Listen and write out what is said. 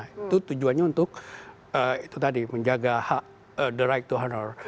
itu tujuannya untuk menjaga the right to honor